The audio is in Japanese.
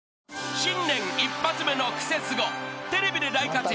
［新年一発目の『クセスゴ』テレビで大活躍